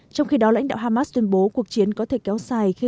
trong khi đó lãnh đạo hamas tuyên bố cuộc chiến có thể kéo sai